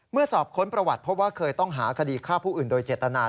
สอบค้นประวัติเพราะว่าเคยต้องหาคดีฆ่าผู้อื่นโดยเจตนา